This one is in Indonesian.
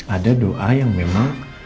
ada doa yang memang